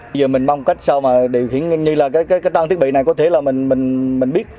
bây giờ mình mong cách sao mà điều khiển như là cái trang thiết bị này có thể là mình biết